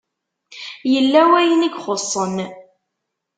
Yella wayen i ixuṣṣen.